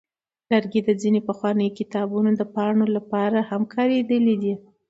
لرګي د ځینو پخوانیو کتابونو د پاڼو لپاره هم کارېدلي دي.